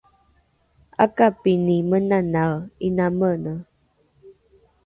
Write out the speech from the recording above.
’akapini menanae ’ina mene?